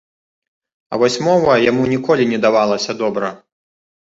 А вось мова яму ніколі не давалася добра.